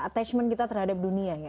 attachment kita terhadap dunia ya